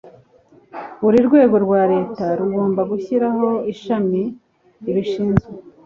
buri rwego rwa leta rugomba gushyiraho ishami ribishinzwe